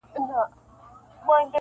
کبرجن سو ګمراهي ځني کيدله,